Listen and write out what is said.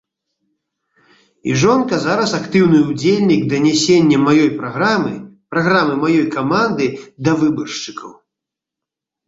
І жонка зараз актыўны ўдзельнік данясення маёй праграмы, праграмы маёй каманды да выбаршчыкаў.